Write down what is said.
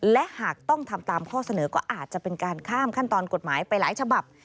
และหากต้องทำตามข้อเสนอก็อาจจะเป็นการข้ามขั้นตอนกฎหมายไปหลายฉบับ